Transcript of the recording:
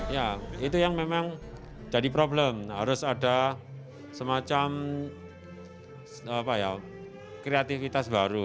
ya itu yang memang jadi problem harus ada semacam kreativitas baru